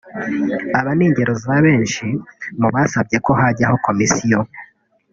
Aba ni ingero za benshi mu basabye ko hajyaho commission